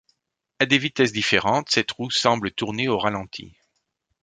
À des vitesses différentes, cette roue semble tourner au ralenti.